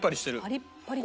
パリッパリだ。